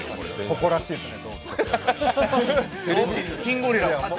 誇らしいですね。